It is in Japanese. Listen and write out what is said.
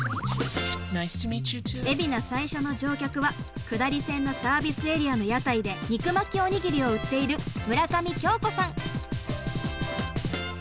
海老名最初の乗客は下り線のサービスエリアの屋台で肉巻きおにぎりを売っている村上京子さん。